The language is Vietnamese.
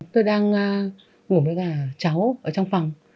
tôi đang ngủ với cả cháu ở trong phòng